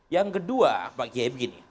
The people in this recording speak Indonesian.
yang kedua pak kiai begini